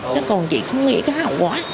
chứ còn chị không nghĩ cái hậu quả